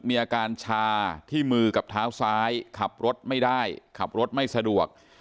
มีอาการชาที่มือกับเท้าซ้ายขับรถไม่ได้ขับรถไม่สะดวก